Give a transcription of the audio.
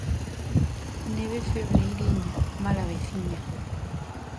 Neve febreiriña, mala veciña.